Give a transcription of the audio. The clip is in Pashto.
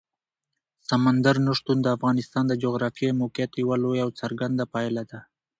سمندر نه شتون د افغانستان د جغرافیایي موقیعت یوه لویه او څرګنده پایله ده.